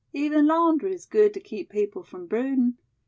Even laundry is good to keep people from brooding.